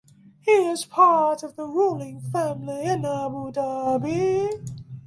He is part of the ruling family in Abu Dhabi.